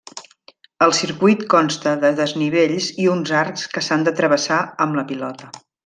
El circuit consta de desnivells i uns arcs que s'han de travessar amb la pilota.